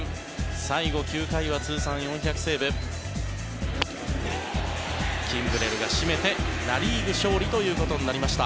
最後、９回は通算４００セーブキンブレルが締めてナ・リーグ勝利ということになりました。